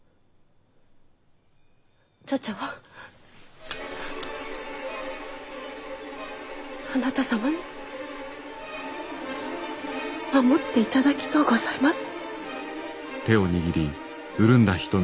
茶々はあなた様に守っていただきとうございます。